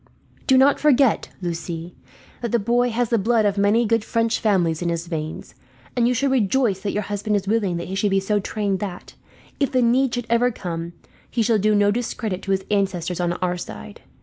"Do not forget, Lucie, that the boy has the blood of many good French families in his veins; and you should rejoice that your husband is willing that he shall be so trained that, if the need should ever come, he shall do no discredit to his ancestors on our side.